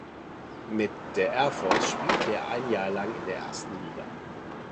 Mit der Air Force spielte er ein Jahr in der ersten Liga.